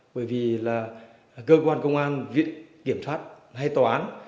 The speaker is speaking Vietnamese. bởi vì là cơ quan công an viện kiểm soát hay tòa án